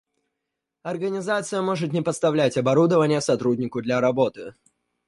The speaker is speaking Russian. Организация может не поставлять оборудование сотруднику для работы